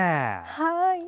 はい！